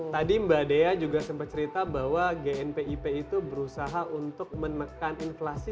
tadi mbak dea juga sempat cerita bahwa gnpip itu berusaha untuk menekan inflasi